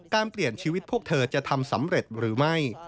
เปลี่ยนชีวิตพวกเธอจะทำสำเร็จหรือไม่